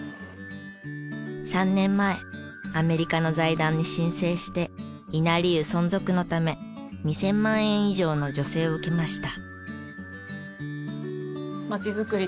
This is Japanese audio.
３年前アメリカの財団に申請して稲荷湯存続のため２０００万円以上の助成を受けました。